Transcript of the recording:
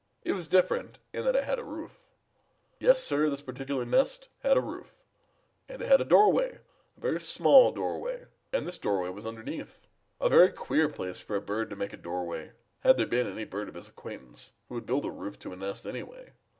It was different in that it had a roof. Yes, Sir, this particular nest had a roof. And it had a doorway, a very small doorway, and this doorway was underneath, a very queer place for a bird to make a doorway had there been any bird of his acquaintance who would build a roof to a nest, anyway.